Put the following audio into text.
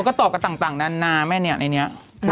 ก็ตอบกันต่างนานาแม่เนี่ยในนี้